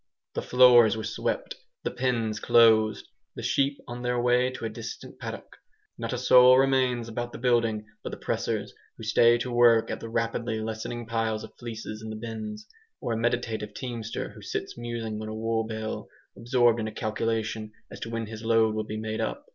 The floors were swept, the pens closed, the sheep on their way to a distant paddock. Not a soul remains about the building but the pressers, who stay to work at the rapidly lessening piles of fleeces in the bins, or a meditative teamster who sits musing on a wool bale, absorbed in a calculation as to when his load will be made up.